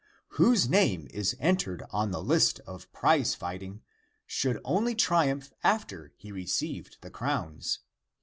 Whose name is entered on the list of prize fighting should only triumph after he received the crowns.